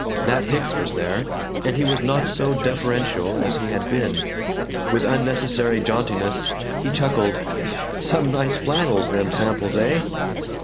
Nat Hicks was there, and he was not so deferential as he had been. With unnecessary jauntiness he chuckled, "Some nice flannels, them samples, heh?"